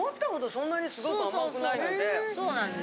そんなにすごく甘くないので。